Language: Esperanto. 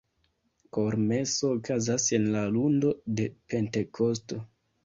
Kermeso okazas en la lundo de Pentekosto.